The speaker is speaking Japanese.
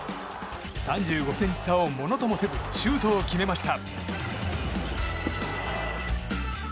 ３５ｃｍ差をものともせずシュートを決めました。